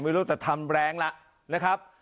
ไม่รู้แต่ทำแรงละนะครับ